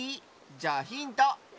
じゃあヒント！